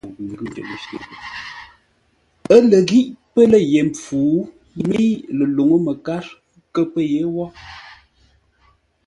Ə́ lə ghí pə́ lə̂ ye mpfu, mə́i ləluŋú məkár kə́ pə̂ yé wó.